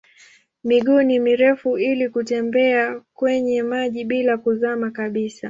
Miguu ni mirefu ili kutembea kwenye maji bila kuzama kabisa.